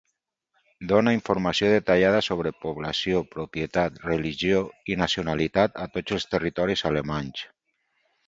Dona informació detallada sobre població, propietat, religió i nacionalitat a tots els territoris alemanys.